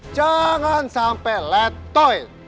jangan sampai letoy